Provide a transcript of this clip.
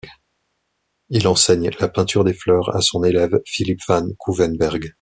Il enseigne la peinture des fleurs à son élève Philip van Kouwenbergh.